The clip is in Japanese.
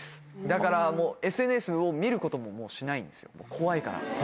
だからＳＮＳを見ることももうしないんですよ怖いから。